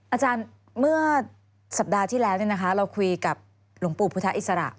อาจารย์เมื่อสัปดาห์ที่แล้วเราคุยกับหลวงปู่พุทธอิสระ